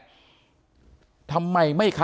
ขอบคุณมากครับขอบคุณมากครับ